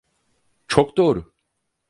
Çok doğru.